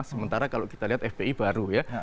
sementara kalau kita lihat fpi baru ya